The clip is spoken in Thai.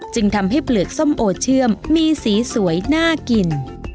จึงทำให้เปลือกส้มโอเชื่อมมีสีสวยน่ากิน